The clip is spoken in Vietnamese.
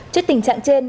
trước tỉnh an giang